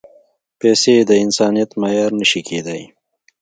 پېسې د انسانیت معیار نه شي کېدای.